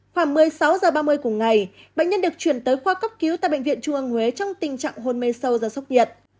khoảng một mươi sáu h ba mươi cùng ngày bệnh nhân được chuyển tới khoa cấp cứu tại bệnh viện trung ương huế trong tình trạng hôn mê sâu do sốc nhiệt